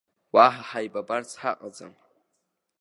Уаҳа ҳаибабарц ҳаҟаӡам.